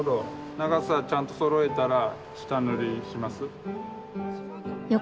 長さちゃんとそろえたら下塗りします？